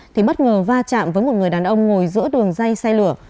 thì bất ngờ va chạm với một người đàn ông ngồi giữa đường dây xe lửa